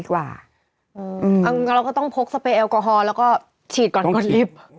หื้ม